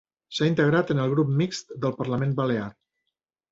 S'ha integrat en el Grup Mixt del Parlament Balear.